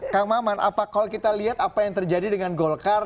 kalau kita lihat apa yang terjadi dengan golkar